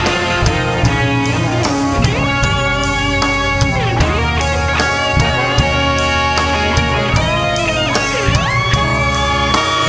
ยังเพราะความสำคัญ